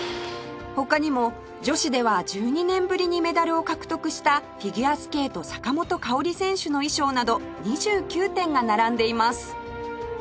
他にも女子では１２年ぶりにメダルを獲得したフィギュアスケート坂本花織選手の衣装など２９点が並んでいます